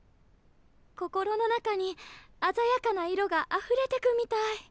心の中にあざやかな色があふれてくみたい。